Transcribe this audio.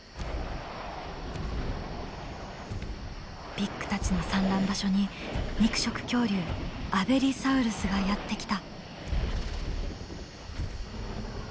ビッグたちの産卵場所に肉食恐竜アベリサウルスがやって来た。